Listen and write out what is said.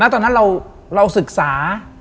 ตอนนั้นเราศึกษา